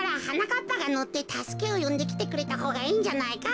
かっぱがのってたすけをよんできてくれたほうがいいんじゃないか？